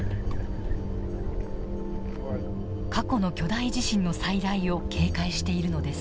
過去の巨大地震の再来を警戒しているのです。